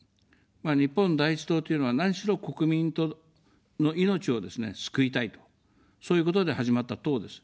日本第一党というのは、何しろ国民の命をですね、救いたいと、そういうことで始まった党です。